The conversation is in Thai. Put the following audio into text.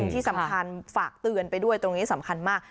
ที่สำคัญฝากเตือนไปด้วยตรงนี้สำคัญมาก